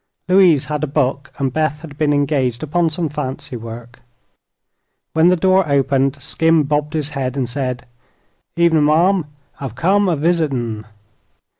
Louise had a book and Beth had been engaged upon some fancy work. When the door opened Skim bobbed his head and said: "Evenin', mom. I've come a visitin'."